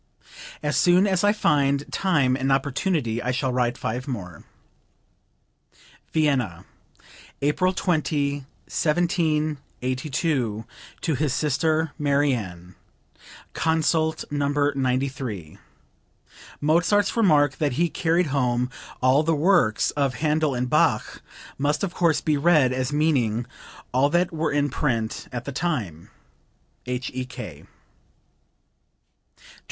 As soon as I find time and opportunity I shall write five more." (Vienna, April 20, 1782, to his sister Marianne. Cf. No. 93. [Mozart's remark that he carried home "all the works" of Handel and Bach, must, of course, be read as meaning all that were in print at the time. H.E.K.]) 20.